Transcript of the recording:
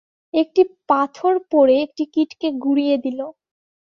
একটি পাথর পড়ে একটি কীটকে গুঁড়িয়ে দিল।